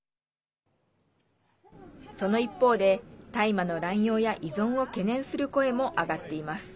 その一方で大麻の乱用や依存を懸念する声も上がっています。